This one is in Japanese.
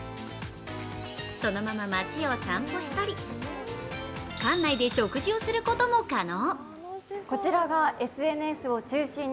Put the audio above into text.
そのまま街を散歩したり、館内で食事をすることも可能。